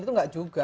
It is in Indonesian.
itu nggak juga